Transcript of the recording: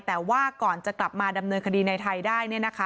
แต่ว่าก่อนจะกลับมาดำเนินคดีในไทยได้